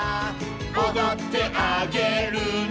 「おどってあげるね」